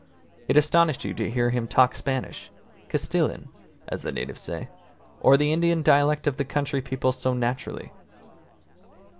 It astonished you to hear him talk Spanish (Castillan, as the natives say) or the Indian dialect of the country people so naturally.